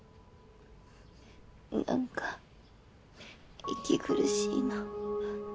何か息苦しいの。